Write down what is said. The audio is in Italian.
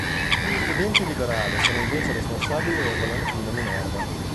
Gli Studenti Liberali sono invece responsabili del volantino Minerva.